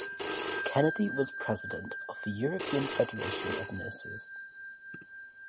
Kennedy was President of the European Federation of Nurses.